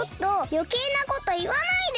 よけいなこといわないで！